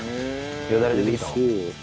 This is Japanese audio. よだれ出てきたわ。